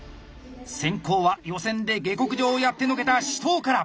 先行は予選で下克上をやってのけた紫桃から！